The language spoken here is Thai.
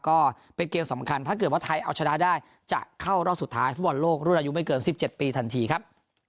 ก็เป็นเกมสำคัญถ้าเกิดว่าไทยเอาชนะได้จะเข้ารอบสุดท้ายฟุตบอลโลกรุ่นอายุไม่เกิน๑๗ปีทันทีครับ